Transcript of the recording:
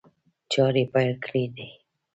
چاري پيل کړي دي.